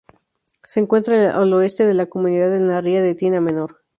Se encuentra al oeste de la comunidad, en la ría de Tina Menor.